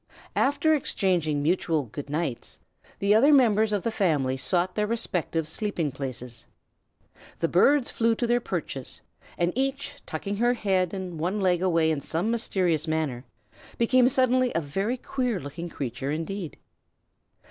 After exchanging mutual "good nights," the other members of the family sought their respective sleeping places. The birds flew to their perches, and each, tucking her head and one leg away in some mysterious manner, became suddenly a very queer looking creature indeed.